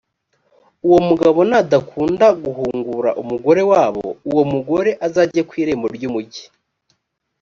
uwo mugabo nadakunda guhungura umugore wabo, uwo mugore azajye ku irembo ry’umugi.